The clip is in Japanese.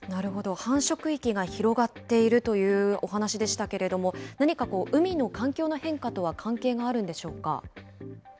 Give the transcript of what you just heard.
繁殖域が広がっているというお話でしたけれども、何か海の環境の変化とは関係があるんでしょうか。